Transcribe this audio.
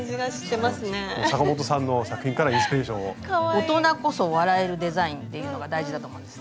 大人こそ笑えるデザインっていうのが大事だと思うんです。